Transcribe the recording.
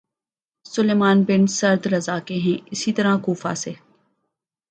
سلیمان bin Surad رض کے ہیں اسی طرح کوفہ سے